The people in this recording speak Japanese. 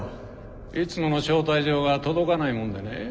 いつもの招待状が届かないもんでね。